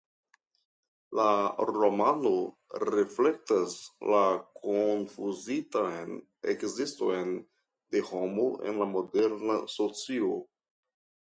La romano reflektas la konfuzitan ekziston de homo en la moderna socio.